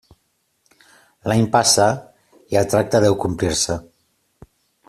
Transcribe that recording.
L'any passa i el tracte deu complir-se.